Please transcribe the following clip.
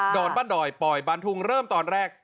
อนบ้านดอยปล่อยบ้านทุงเริ่มตอนแรก